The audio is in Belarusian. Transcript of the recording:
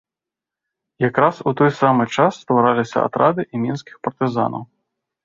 Якраз у той самы час ствараліся атрады і мінскіх партызанаў.